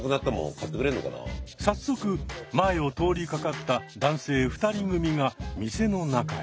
早速前を通りかかった男性２人組が店の中へ。